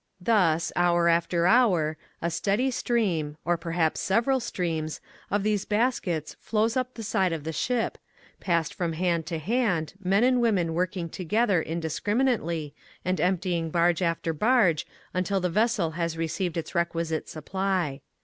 Thus, hour after hour, a steady stream, or perhaps several streams, of these bas kets flows up the side of the ship, passed from hand to hand, men and women working together indiscriminately and emptying barge after barge until the ves sel has received its requisite supply.